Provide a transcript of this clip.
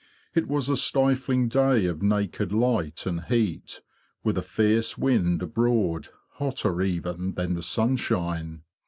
It was a stifling day of naked light and heat, with a fierce wind abroad hotter even than the sunshine.